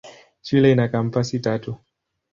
Shule ina kampasi tatu.